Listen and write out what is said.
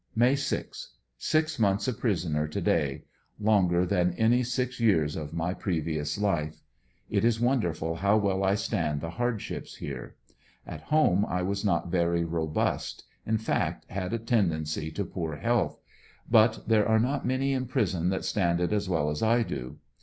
May 6.— Six months a prisoner to day. Longer than any six years of my previous life. It is wonderful how well I stand the hardships here. At home I was not very robust, in fact had a ten ANDi7US0NVILLE DIARY, 55 dency to poor health ; but there are not many in prison that stand it as well as I do.